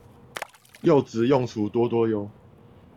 柚子用處多多唷